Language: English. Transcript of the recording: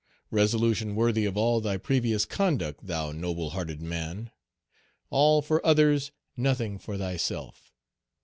resolution worthy of all thy previous conduct, thou noble hearted man! All for others, nothing for thyself!